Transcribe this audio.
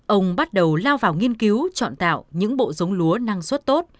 ông bắt đầu lao vào nghiên cứu chọn tạo những bộ giống lúa năng suất tốt